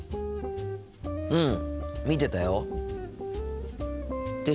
うん見てたよ。って